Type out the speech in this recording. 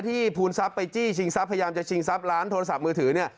ภูมิทรัพย์ไปจี้ชิงทรัพย์พยายามจะชิงทรัพย์ร้านโทรศัพท์มือถือเนี่ย